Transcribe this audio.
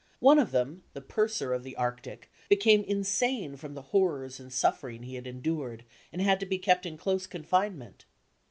One of them, the purser of the Arctic, became insane from the horrors and suffer ings he had endured, and had to be kept in close confinement.